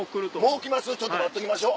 ちょっと待っときましょう。